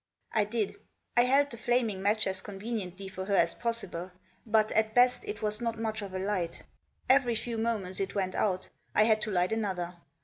I did. I held the flaming match as conveniently for her as possible ; but, at best, it was not much of a light. Every few moments it went out ; I had to light another.